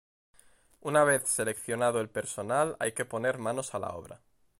Una vez seleccionado el personal hay que poner manos a la obra.